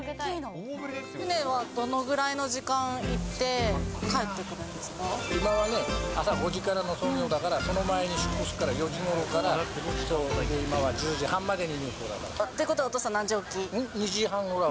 船はどのぐらいの時間行って、今はね、朝５時からの操業だから、その前に出港するから、４時ごろから今は１０時半までに入港だかということは、お父さん、２時半ぐらい。